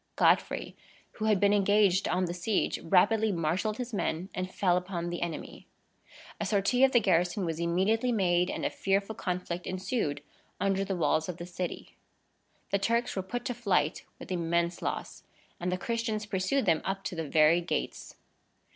Godfrey, who had been engaged on the siege, rapidly marshalled his men, and fell upon the enemy. A sortie of the garrison was immediately made, and a fearful conflict ensued under the walls of the city. The Turks were put to flight with immense loss, and the Christians pursued them up to the very gates.